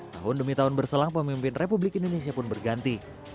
tahun demi tahun berselang pemimpin republik indonesia pun berganti